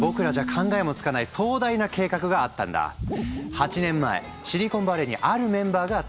８年前シリコンバレーにあるメンバーが集まった。